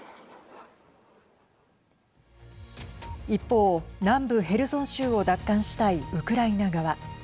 一方、南部ヘルソン州を奪還したいウクライナ側。